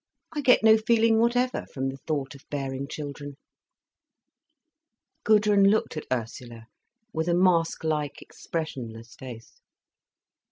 "I get no feeling whatever from the thought of bearing children." Gudrun looked at Ursula with a masklike, expressionless face.